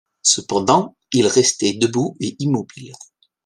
Cependant il restait debout et immobile.